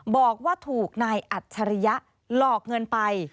บอกว่าถูกนายอัจฉริยะหลอกเงินไป